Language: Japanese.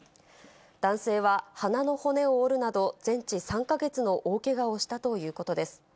男性は鼻の骨を折るなど、全治３か月の大けがをしたということです。